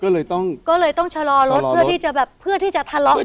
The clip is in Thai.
ก็เลยต้องก็เลยต้องชะลอรถเพื่อที่จะแบบเพื่อที่จะทะเลาะกัน